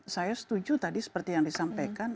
saya setuju tadi seperti yang disampaikan